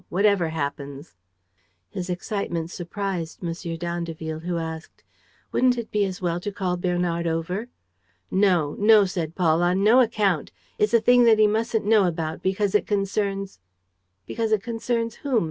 ... Whatever happens." His excitement surprised M. d'Andeville, who asked: "Wouldn't it be as well to call Bernard over?" "No, no," said Paul, "on no account! It's a thing that he mustn't know about, because it concerns. ..." "Because it concerns whom?"